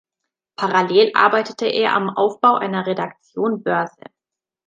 Parallel arbeitete er am Aufbau einer Redaktion "Börse".